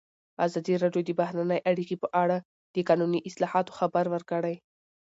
ازادي راډیو د بهرنۍ اړیکې په اړه د قانوني اصلاحاتو خبر ورکړی.